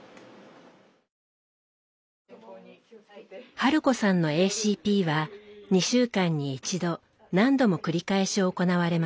春子さんのＡＣＰは２週間に一度何度も繰り返し行われます。